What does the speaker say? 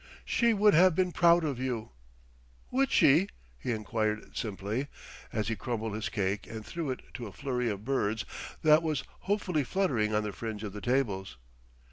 "She would have been proud of you." "Would she?" he enquired simply, as he crumbled his cake and threw it to a flurry of birds that was hopefully fluttering on the fringe of the tables.